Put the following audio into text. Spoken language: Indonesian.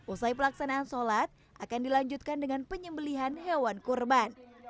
usai pelaksanaan sholat akan dilanjutkan dengan penyembelihan hewan kurban